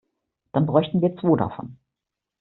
Dann bräuchten wir zwo davon.